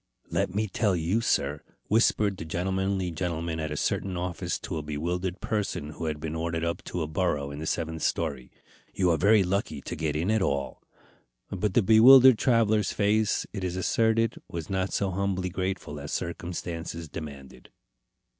"Let me tell you, sir," whispered the gentlemanly gentleman at a certain office to a bewildered person who had been ordered up to a burrow in the seventh story, "you are very lucky to get in at all." But the bewildered traveller's face, it is asserted, was not so humbly grateful as circumstances demanded.